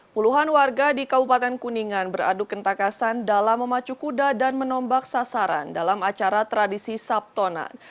puluhan warga di kabupaten kuningan beradu kentakasan dalam memacu kuda dan menombak sasaran dalam acara tradisi sabtonan